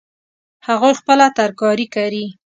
هغوی خپله ترکاري کري